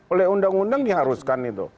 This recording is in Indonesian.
oleh undang undang diharuskan itu